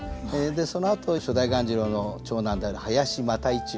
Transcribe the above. そのあと初代鴈治郎の長男である林又一郎